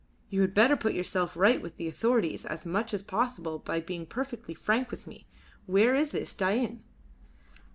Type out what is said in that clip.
You had better put yourself right with the authorities as much as possible by being perfectly frank with me. Where is this Dain?"